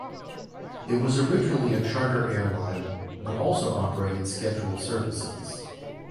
It was originally a charter airline, but also operated scheduled services.